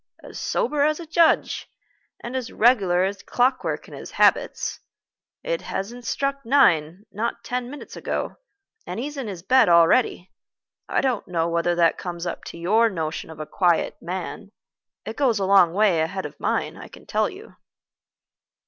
"As sober as a judge, and as regular as clock work in his habits. It hasn't struck nine, not ten minutes ago, and he's in his bed already. I don't know whether that comes up to your notion of a quiet man: it goes a long way ahead of mine, I can tell you."